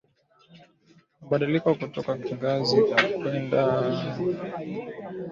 Mabadiliko kutoka kiangazi kwenda masika yenye mvua nyingi husababisha ugonjwa wa mapafu kutokea